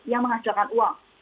yang menghasilkan uang